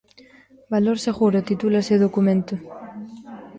Valor seguro titúlase o documento.